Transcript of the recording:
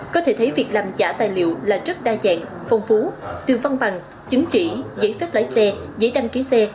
có thể thấy việc làm giả tài liệu là rất đa dạng phong phú từ văn bằng chứng chỉ giấy phép lái xe giấy đăng ký xe